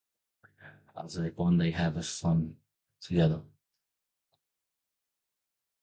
After they bond, they have a son together.